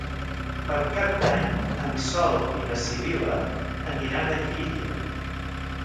Per Cap d'Any en Sol i na Sibil·la aniran a Llíria.